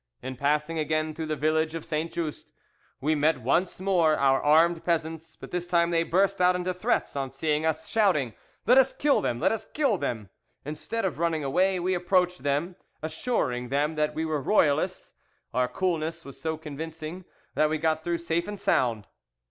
In passing again through the village of Saint Just we met once more our armed peasants. But this time they burst out into threats on seeing us, shouting, 'Let us kill them! Let us kill them!' Instead of running away, we approached them, assuring them that we were Royalists. Our coolness was so convincing that we got through safe and sound.